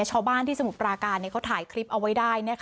ชาวบ้านที่สมุทรปราการเขาถ่ายคลิปเอาไว้ได้